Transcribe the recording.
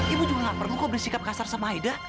ibu juga gak perlu kok bersikap kasar sama aida